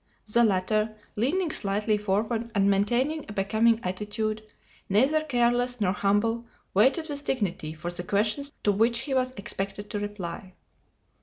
The latter, leaning slightly forward and maintaining a becoming attitude, neither careless nor humble, waited with dignity for the questions to which he was expected to reply.